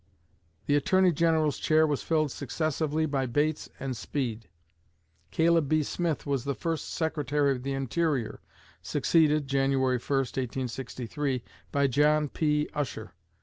The Attorney General's chair was filled successively by Bates and Speed. Caleb B. Smith was the first Secretary of the Interior, succeeded (January 1, 1863) by John P. Usher.